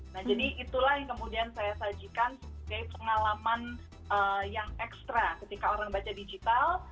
nah jadi itulah yang kemudian saya sajikan sebagai pengalaman yang ekstra ketika orang baca digital